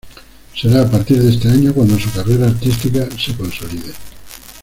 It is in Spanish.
Será a partir de este año cuando su carrera artística se consolide.